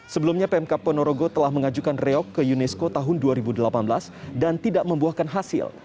sebelumnya pmk ponorogo telah mengajukan reok ke unesco tahun dua ribu delapan belas dan tidak membuahkan hasil